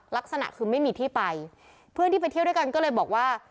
ลักษณะคือไม่มีที่ไปเพื่อนที่ไปเที่ยวด้วยกันก็เลยบอกว่า